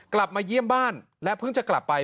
กลับมาเยี่ยมบ้านและเพิ่งจะกลับไป